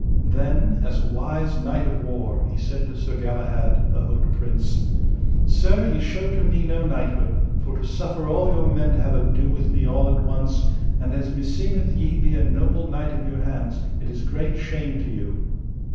Then as a wise knight of war, he said to Sir Galahad, the haut prince: Sir, ye show to me no knighthood, for to suffer all your men to have ado with me all at once; and as meseemeth ye be a noble knight of your hands it is great shame to you.